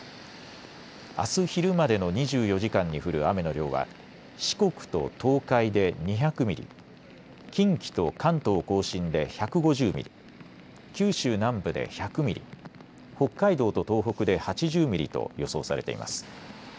あす昼までの２４時間に降る雨の量は四国と東海で２００ミリ、近畿と関東甲信で１５０ミリ、九州南部で１００ミリ、北海道と東北で８０ミリと予想されています。